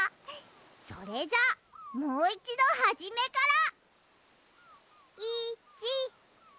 それじゃあもういちどはじめから。